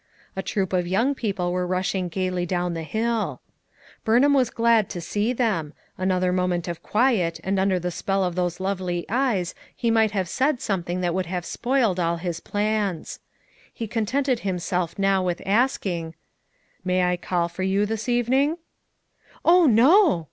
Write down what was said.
A troop of young people were rushing gayly down the hill. Burnham was glad to see them; another mo ment of quiet and under the spell of those lovely eyes he might have said something that would have spoiled all his plans. He con tented himself now with asking: "May I call for you this evening?" "Oh, no!"